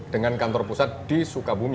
dengan kantor pusat di sukabumi